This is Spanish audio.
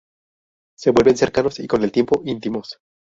Se vuelven cercanos, y con el tiempo íntimos.